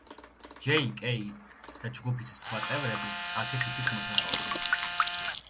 ჯეი კეი და ჯგუფის სხვა წევრები აქეთ-იქით მოძრაობენ.